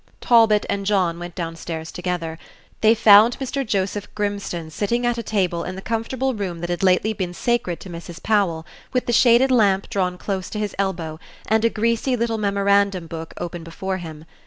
Talbot and John went down stairs together. They found Mr. Joseph Grimstone sitting at a table in the comfortable room that had lately been sacred to Mrs. Powell, with the shaded lamp drawn close to his elbow, and a greasy little memorandum book open before him.